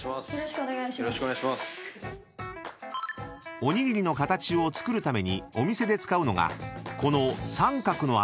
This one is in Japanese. ［おにぎりの形を作るためにお店で使うのがこの］